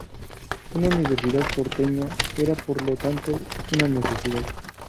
Una universidad porteña era, por lo tanto, una necesidad.